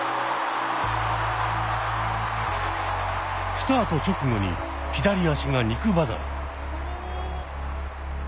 スタート直後に左脚が肉離れ。